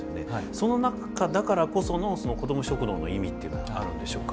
その中だからこそのこども食堂の意味っていうのはあるんでしょうか？